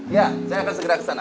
iya saya akan segera kesana